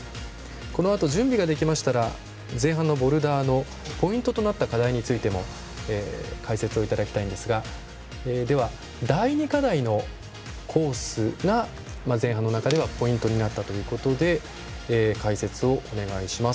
このあと準備ができましたら前半のボルダーのポイントとなった課題についても解説をいただきたいんですが第２課題のコースが前半の中ではポイントになったということで解説をお願いします。